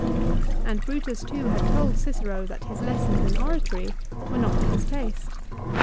And Brutus, too, had told Cicero that his lessons in oratory were not to his taste.